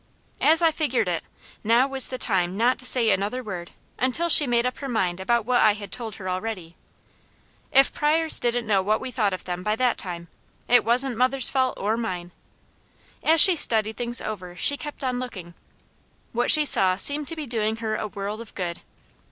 As I figured it, now was the time not to say another word until she made up her mind about what I had told her already. If Pryors didn't know what we thought of them by that time, it wasn't mother's fault or mine. As she studied things over she kept on looking. What she saw seemed to be doing her a world of good.